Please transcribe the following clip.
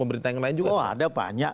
pemerintah yang lain juga